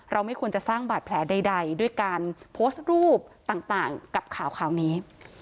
ไม่ควรจะสร้างบาดแผลใดด้วยการโพสต์รูปต่างกับข่าวนี้